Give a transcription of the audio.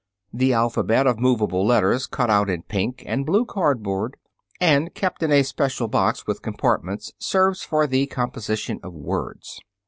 ] The alphabet of movable letters cut out in pink and blue cardboard, and kept in a special box with compartments, serves "for the composition of words."